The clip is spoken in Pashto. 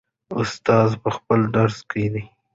استاد په خپل درس کې.